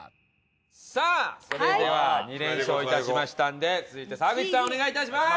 さあそれでは２連勝致しましたんで続いて沢口さんお願い致します。